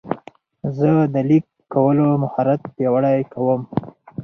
زه د لیک کولو مهارت پیاوړی کوم.